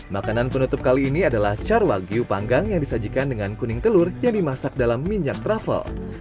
makanan penutup kali ini adalah carwagyu panggang yang disajikan dengan kuning telur yang dimasak dalam minyak travel